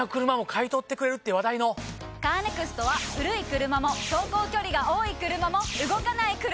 カーネクストは古い車も走行距離が多い車も動かない車でも。